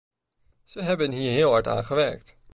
Ze hebben hier heel hard aan gewerkt.